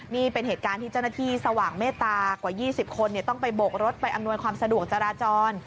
นี่เป็นเหตุการณ์ที่เจ้าหน้าที่สว่างเมตกว่า๒๐คนต้องไปโบกรถไปอำนวยความสะดวกจราจร